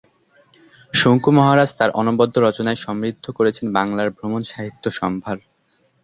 শঙ্কু মহারাজ তার অনবদ্য রচনায় সমৃদ্ধ করেছেন বাংলার ভ্রমণ সাহিত্য সম্ভার।